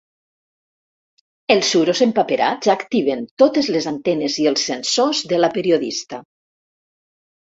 Els suros empaperats activen totes les antenes i els sensors de la periodista.